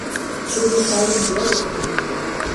— Теве каем веле, — манеш.